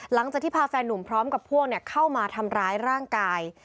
หลังจากที่พาแฟนหนุ่มพร้อมกับพวกเข้ามาทำร้ายร่างกาย